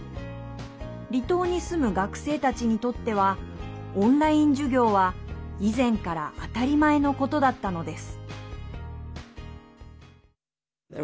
離島に住む学生たちにとってはオンライン授業は以前から当たり前のことだったのです。